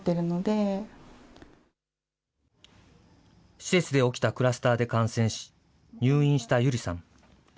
施設で起きたクラスターで感染し、入院した百合さん。